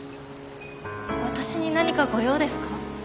私に何かご用ですか？